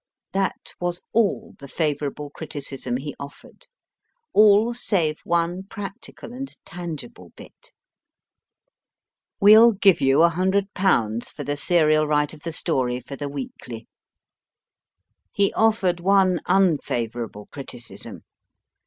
That was all the favourable criticism he offered. All save one practical and tangible bit. We ll give you ioo/. for the serial right of the story for the Weekly: He offered one unfavour able criticism.